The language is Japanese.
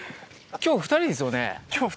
今日２人ですよ